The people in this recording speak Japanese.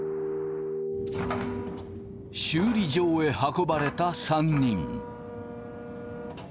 修理場へ運ばれた３人。